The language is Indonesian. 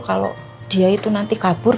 kalau dia itu nanti kabur